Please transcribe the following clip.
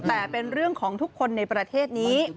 แต่เป็นเรื่องของทุกคนในประเทศนี้